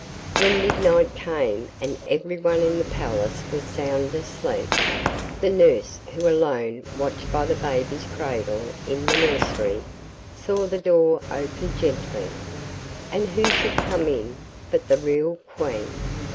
When midnight came and everyone in the palace was sound asleep, the nurse who alone watched by the baby's cradle in the nursery saw the door open gently, and who should come in but the real Queen.